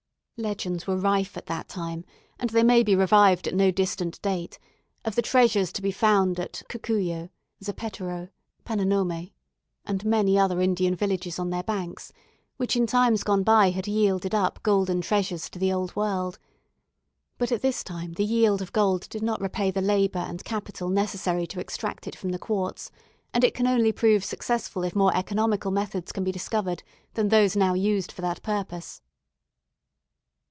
Legends were rife at that time, and they may be revived at no distant date, of the treasures to be found at Cucuyo, Zapetero, Pananomé, and many other Indian villages on their banks, which in times gone by had yielded up golden treasures to the Old World. But at this time the yield of gold did not repay the labour and capital necessary to extract it from the quartz; and it can only prove successful if more economical methods can be discovered than those now used for that purpose.